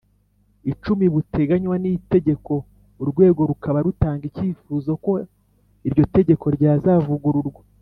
icumi buteganywa n itegeko Urwego rukaba rutanga icyifuzo ko iryo tegeko ryazavugururwa